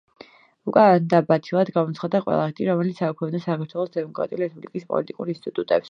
უკანონოდ და ბათილად გამოაცხადა ყველა აქტი, რომლებიც აუქმებდა საქართველოს დემოკრატიული რესპუბლიკის პოლიტიკურ ინსტიტუტებს.